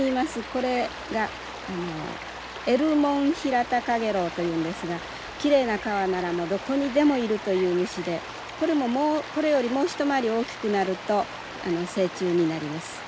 これがエルモンヒラタカゲロウというんですがきれいな川ならもうどこにでもいるという虫でこれもこれよりもう一回り大きくなると成虫になります。